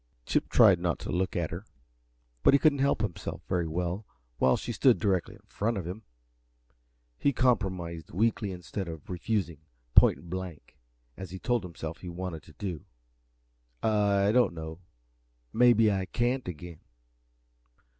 Chip tried not to look at her, but he couldn't help himself very well while she stood directly in front of him. He compromised weakly instead of refusing point blank, as he told himself he wanted to do. "I don't know maybe I can't, again."